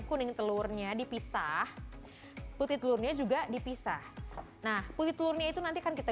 kuning telurnya dipisah putih telurnya juga dipisah nah putih telurnya itu nanti akan kita